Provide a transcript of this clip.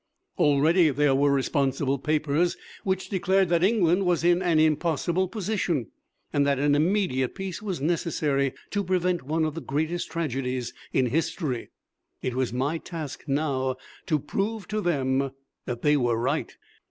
Already there were responsible papers which declared that England was in an impossible position, and that an immediate peace was necessary to prevent one of the greatest tragedies in history. It was my task now to prove to them that they were right.